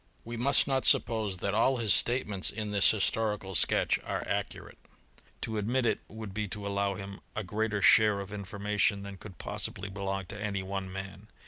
We must not suppose that all his statements in this historical sketch are accurate : to admit it would be to allow him a greater share of information than could possibly belong to any one man.